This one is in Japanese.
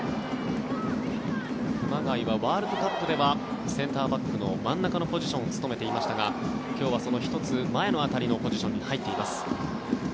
熊谷はワールドカップではセンターバックの真ん中のポジションを務めていましたが今日はその１つ前の辺りのポジションに入っています。